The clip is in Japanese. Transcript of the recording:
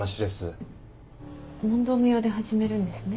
問答無用で始めるんですね。